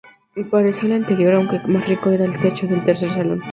Parecido al anterior, aunque más rico, era el techo del tercer salón.